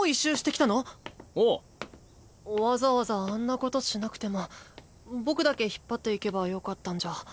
わざわざあんなことしなくても僕だけ引っ張っていけばよかったんじゃ。